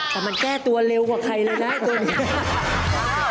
แต่มันแก้ตัวเร็วกว่าใครเลยนะ